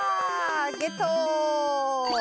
ゲットー。